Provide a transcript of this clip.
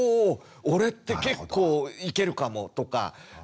俺って結構いけるかも！」とかなんかね。